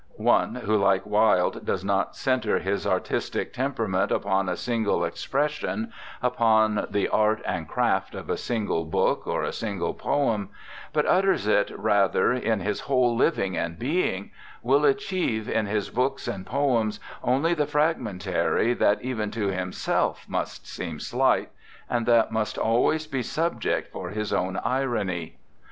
One who, like Wilde, does not centre his artistic tem perament upon a single expression, upon 98 FRANZ BLEI the art and craft of a single book or a single poem, but utters it rather in his whole living and being, will achieve in his books and poems only the fragmentary that even to himself must seem slight, and that must always be subject for his own irony.